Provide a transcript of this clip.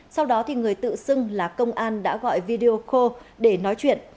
sau đó người tự xưng là công an đã gọi video call để nói chuyện